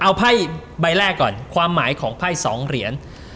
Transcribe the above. เอาไพ่ใบแรกก่อนความหมายของไพ่๒เหรียญ